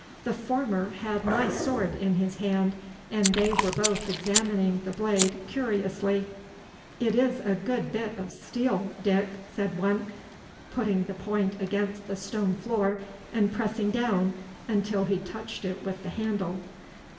The former had my sword in his hand, and they were both examining the blade curiously. 'It is a good bit of steel, Dick,' said one, putting the point against the stone floor, and pressing down until he touched it with the handle.